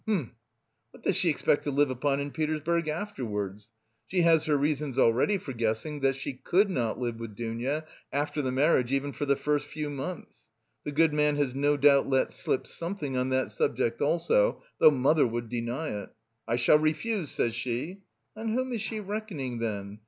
hm. What does she expect to live upon in Petersburg afterwards? She has her reasons already for guessing that she could not live with Dounia after the marriage, even for the first few months. The good man has no doubt let slip something on that subject also, though mother would deny it: 'I shall refuse,' says she. On whom is she reckoning then?